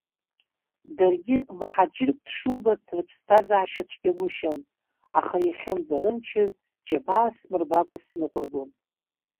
Даргьы, мҳаџьырк дшубац рыԥсҭазаашьа цәгьагушьан, аха иахьынӡарымчыз џьабаа смырбакуа сныҟургон…